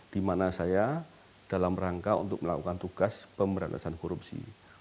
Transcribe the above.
di mana saya dalam rangka untuk melakukan tugas pemberantasan korupsi